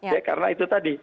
ya karena itu tadi